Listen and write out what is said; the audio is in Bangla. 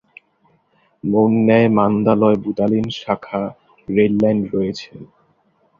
মৌন্যায় মান্দালয়-বুদালিন শাখা রেললাইন রয়েছে।